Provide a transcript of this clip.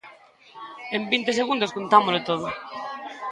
En vinte segundos contámolo todo.